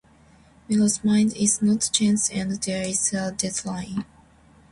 Milo's mind is not changed and there is a deadline.